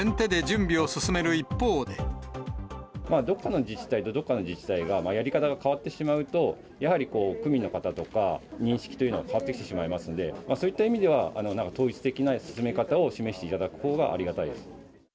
どこかの自治体とどこかの自治体が、やり方が変わってしまうと、やはり区民の方とか、認識というのが変わってきてしまいますので、そういった意味では、統一的な進め方を示していただくほうがありがたいです。